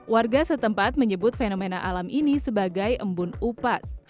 warga setempat menyebut fenomena alam ini sebagai embun upas